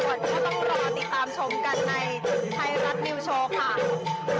ส่วนก็ต้องรอติดตามชมกันในไทยรัฐนิวโชว์ค่ะ